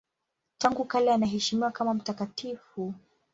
Tangu kale anaheshimiwa kama mtakatifu.